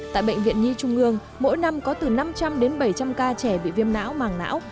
tại bệnh viện nhi trung ương mỗi năm có từ năm trăm linh đến bảy trăm linh ca trẻ bị viêm não màng não